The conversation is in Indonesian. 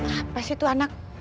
apa sih itu anak